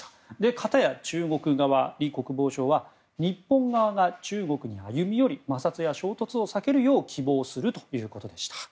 片や中国側のリ国防相は日本側が中国に歩み寄り摩擦や衝突を避けるよう希望するということでした。